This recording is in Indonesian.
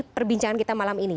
perbincangan kita malam ini